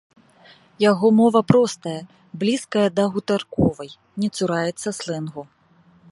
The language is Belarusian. Яго мова простая, блізкая да гутарковай, не цураецца слэнгу.